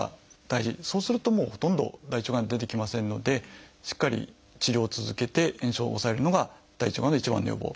そうするともうほとんど大腸がん出てきませんのでしっかり治療を続けて炎症を抑えるのが大腸がんの一番の予防。